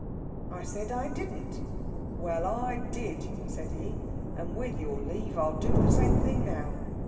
I said I didn't. 'Well, I did,' said he. 'And, with your leave, I'll do the same thing now.